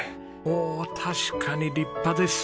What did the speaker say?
おお確かに立派です。